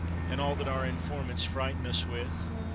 and all that our informants frighten us with?